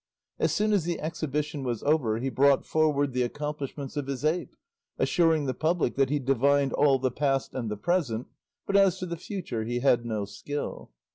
As soon as the exhibition was over he brought forward the accomplishments of his ape, assuring the public that he divined all the past and the present, but as to the future he had no skill.